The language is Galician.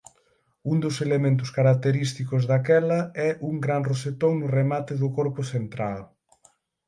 Un dos elementos característicos daquela é un gran rosetón no remate do corpo central.